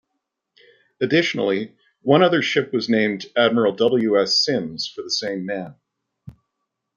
Additionally, one other ship was named "Admiral W. S. Sims" for the same man.